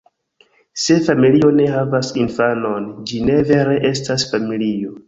Se familio ne havas infanon, ĝi ne vere estas familio.